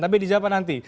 tapi dijawabkan nanti